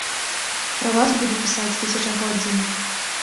Пра вас буду пісаць тысячагоддзямі.